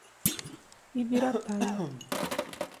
Ibirataia